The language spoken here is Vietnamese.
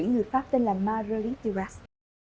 người pháp tên là marilyn tiras